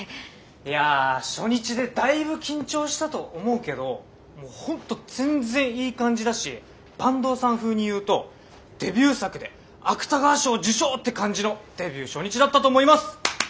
いや初日でだいぶ緊張したと思うけど本当全然いい感じだし坂東さん風にいうとデビュー作で芥川賞受賞って感じのデビュー初日だったと思います。